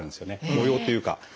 模様というか。